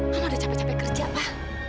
mama udah capek capek kerja pak